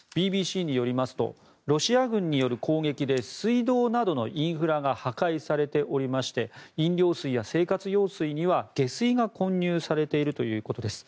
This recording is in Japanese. ＢＢＣによりますとロシア軍による攻撃で水道などのインフラが破壊されておりまして飲料水や生活用水には、下水が混入されているということです。